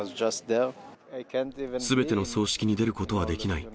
すべての葬式に出ることはできない。